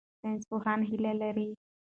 ساینسپوهان هیله لري.